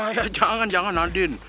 ya jangan jangan nadine